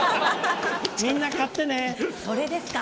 みんな、買ってね！